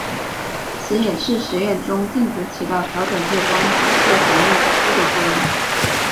此演示实验中镜子起到调整日光出射水面角度的作用。